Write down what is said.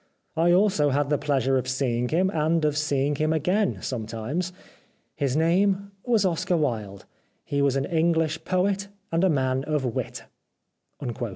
I also had the pleasure of seeing him, and of seeing him again sometimes. His name was Oscar Wilde. He was an English poet and a man of wit."